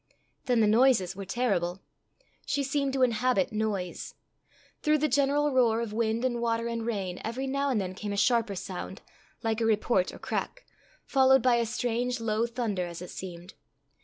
Then the noises were terrible. She seemed to inhabit noise. Through the general roar of wind and water and rain every now and then came a sharper sound, like a report or crack, followed by a strange low thunder, as it seemed.